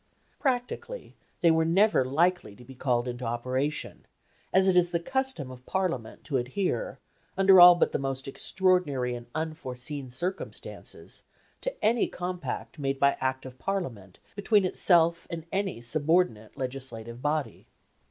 Practically they were never likely to be called into operation, as it is the custom of Parliament to adhere, under all but the most extraordinary and unforeseen circumstances, to any compact made by Act of Parliament between itself and any subordinate legislative body.